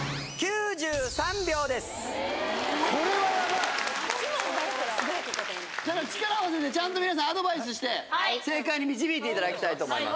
だから力を合わせてちゃんと皆さんアドバイスして正解に導いていただきたいと思います。